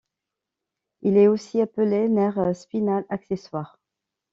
Il est aussi appelé nerf spinal accessoire.